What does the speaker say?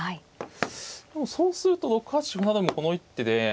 でもそうすると６八歩成もこの一手で。